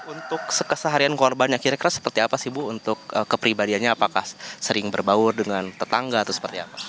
untuk keseharian korbannya kira kira seperti apa sih bu untuk kepribadiannya apakah sering berbaur dengan tetangga atau seperti apa